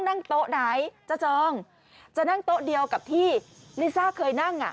นั่งโต๊ะไหนจะจองจะนั่งโต๊ะเดียวกับที่ลิซ่าเคยนั่งอ่ะ